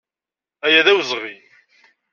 Aya d awezɣi!